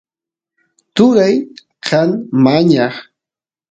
turay kan mañaq